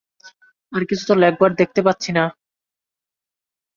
আর কিছু তো লেখবার দেখতে পাচ্ছি না।